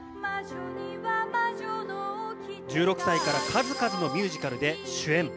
１６歳から数々のミュージカルで主演。